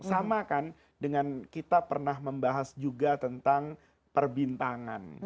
sama kan dengan kita pernah membahas juga tentang perbintangan